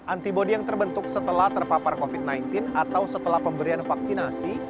antibody yang terbentuk setelah terpapar covid sembilan belas atau setelah pemberian vaksinasi